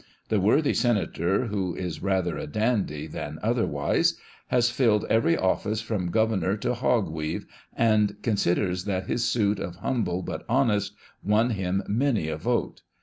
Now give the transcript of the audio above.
The worthy senator (who is rather a dandy than other wise) has filled every oifice from governor to " Hog reave," and considers that his suit of Humble but Honest won him many a vote.